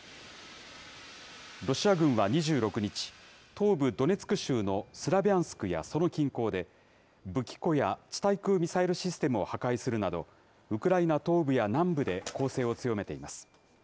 ロシア軍は２６日、東部ドネツク州のスラビャンスクやその近郊で、武器庫や地対空ミサイルシステムを破壊するなど、ウクライナ東部や南部で攻勢を強めています。